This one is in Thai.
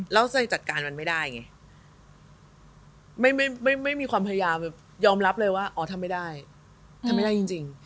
แล้วใจจัดการมันไม่ได้ไงไม่มีความพยายามแบบยอมรับเลยว่าอ๋อทำไม่ได้ทำไม่ได้จริง